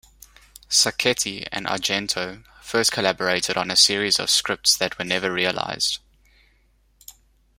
Sacchetti and Argento first collaborated on a series of scripts that were never realized.